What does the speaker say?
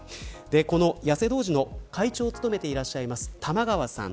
この八瀬童子の会長を務めていらっしゃいます玉川さん